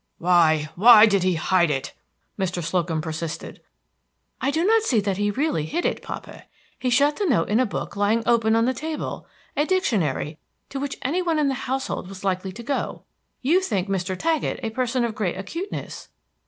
"Why, why did he hide it!" Mr. Slocum persisted. "I do not see that he really hid it, papa. He shut the note in a book lying openly on the table, a dictionary, to which any one in the household was likely to go. You think Mr. Taggett a person of great acuteness."